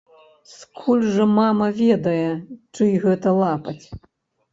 Скуль жа мама ведае, чый гэта лапаць.